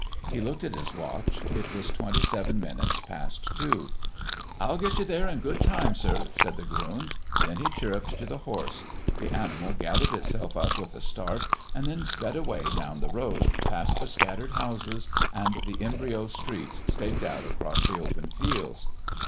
He looked at his watch; it was twenty seven minutes past two. "I'll get you there in good time, sir," said the groom. Then he chirruped to the horse. The animal gathered itself up with a start and then sped away down the road past the scattered houses and the embryo streets staked out across the open fields.